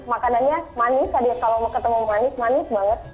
makanannya manis kalau ketemu manis manis banget